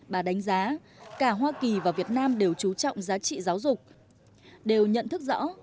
bà đánh giá cả hoa kỳ và việt nam đều trú trọng giá trị giáo dục đều nhận thức rõ